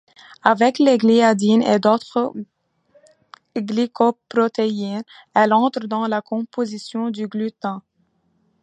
Avec les gliadines et d'autres glycoprotéines, elle entre dans la composition du gluten.